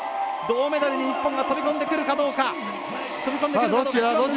銅メダルに日本が飛び込んでくるかどうか。